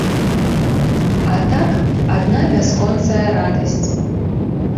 А так, адна бясконцая радасць.